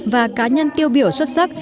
và cá nhân tiêu biểu xuất sắc